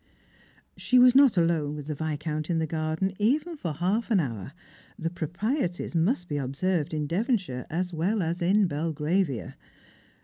She was not alone with the Viscount in the garden even for half an hour. The proprieties must be observed in Devonshire as well as in Belgravia.